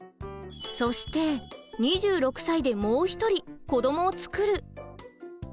そして２６歳でもう一人子どもを作る。